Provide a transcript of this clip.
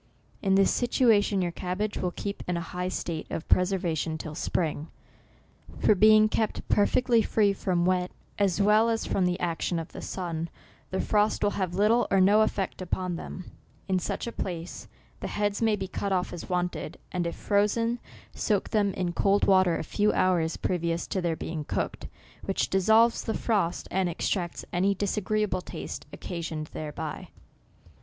In this situation your cabbage will keep in a high state of preserva tion till spring ; for being kept perfectly free from wet, as well as from the action of the sun, the frost will have little or no effect upon them. In such a place, the heads may be cut off as wanted, and if frozen, soak them in cold water a few hours previous to their being cooked, which dissolves the frost, and extracts any disagreeable taste occasioned thereby."